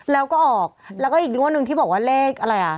แล้วก็ออกแล้วก็อีกงวดหนึ่งที่บอกว่าเลขอะไรอ่ะ